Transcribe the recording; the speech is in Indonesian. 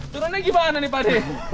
turunnya gimana nih pak de